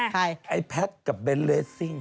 ใครไอ้แพทกับเบนเรซิ่ง